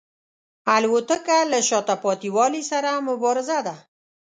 الوتکه له شاته پاتې والي سره مبارزه ده.